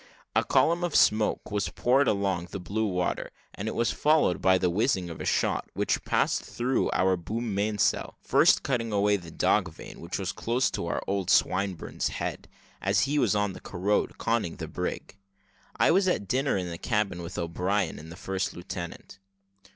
A column of smoke was poured along the blue water, and it was followed by the whizzing of a shot, which passed through our boom mainsail, first cutting away the dog vane, which was close to old Swinburne's head, as he stood on the carronade, conning the brig. I was at dinner in the cabin with O'Brien and the first lieutenant.